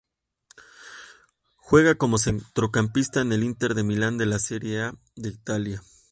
Juega como centrocampista en el Inter de Milán de la Serie A de Italia.